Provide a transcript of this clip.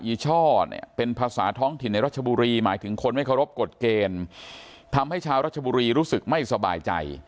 อช่อเนี่ยเป็นภาษาท้องถิ่นในรัชบุรีหมายถึงคนไม่เคารพกฎเกณฑ์ทำให้ชาวรัชบุรีรู้สึกไม่สบายใจ